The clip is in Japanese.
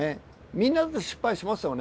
みんなだって失敗しますよね。